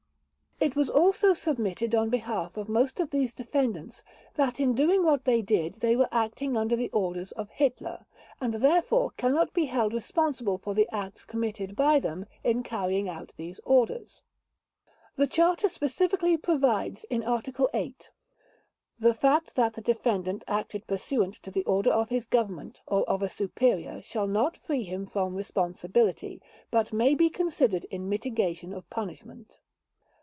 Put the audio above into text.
It was also submitted on behalf of most of these defendants that in doing what they did they were acting under the orders of Hitler, and therefore cannot be held responsible for the acts committed by them in carrying out these orders. The Charter specifically provides in Article 8: "The fact that the Defendant acted pursuant to order of his Government or of a superior shall not free him from responsibility, but may be considered in mitigation of punishment."